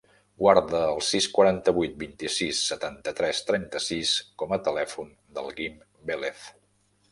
Guarda el sis, quaranta-vuit, vint-i-sis, setanta-tres, trenta-sis com a telèfon del Guim Velez.